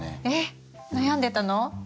えっ悩んでたの？